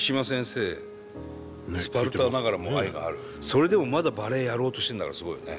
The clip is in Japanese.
それでもまだバレーやろうとしてるんだからすごいよね。